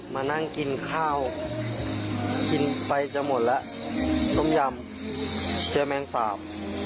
มานั่งกินข้าวไปจะหมดแล้วซมยำเชื่อแมงฝาว